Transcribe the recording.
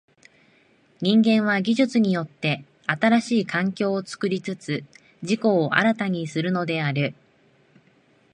人間は技術によって新しい環境を作りつつ自己を新たにするのである。